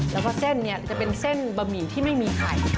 แล้วก็เส้นนี้จะเป็นเส้นบะหมี่ที่ไม่มีไข่